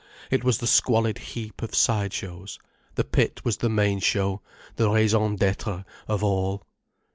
It was the squalid heap of side shows. The pit was the main show, the raison d'être of all.